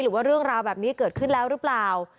หรือว่าเรื่องราวแบบนี้เกิดขึ้นแล้วหรือเปล่า